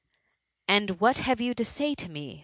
^^«< And «4iat have you to say to me